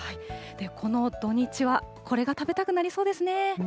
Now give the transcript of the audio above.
この土日はこれが食べたくなりそうですね。